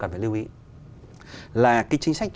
cần phải lưu ý là cái chính sách